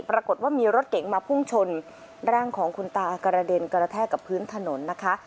ปรากฏว่ามีรถเก๋งมาพุ่งชนร่างของคุณตากระเด็นกระแทกกับพื้นถนนนะคะ